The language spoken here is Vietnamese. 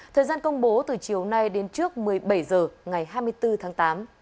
thời gian công bố từ chiều nay đến trước một mươi bảy h ngày hai mươi bốn tháng tám